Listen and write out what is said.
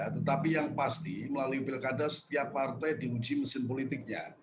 tetapi yang pasti melalui pilkada setiap partai diuji mesin politiknya